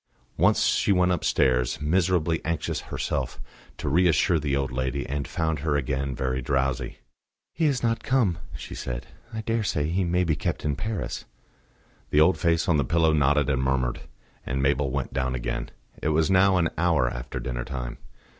Once she went upstairs, miserably anxious herself, to reassure the old lady, and found her again very drowsy. "He is not come," she said. "I dare say he may be kept in Paris." The old face on the pillow nodded and murmured, and Mabel went down again. It was now an hour after dinner time.